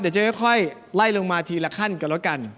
จะค่อยไล่ลงมาทีละขั้นกันแล้วกัน